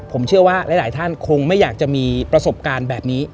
ผมเชื่อว่าหลายท่านคงไม่อยากจะมีประสบการณ์แบบนี้